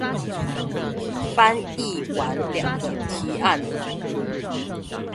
翻譯完兩個提案了